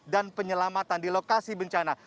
dan penyelamatan di lokasi bencana